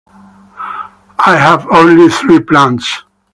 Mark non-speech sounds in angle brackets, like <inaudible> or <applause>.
<noise> I have only three plants.